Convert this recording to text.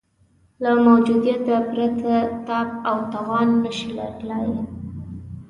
له موجودیته پرته تاب او توان نه شي لرلای.